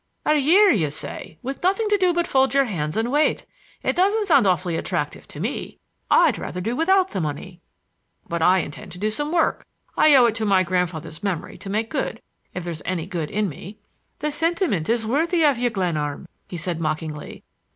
"A year, you say, with nothing to do but fold your hands and wait. It doesn't sound awfully attractive to me. I'd rather do without the money." "But I intend to do some work. I owe it to my grandfather's memory to make good, if there's any good in me." "The sentiment is worthy of you, Glenarm," he said mockingly.